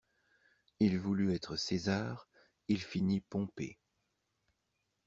Il voulut être César, il finit Pompée.